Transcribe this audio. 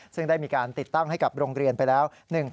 ซึ่งได้มีการติดตั้งให้กับโรงเรียนไปแล้ว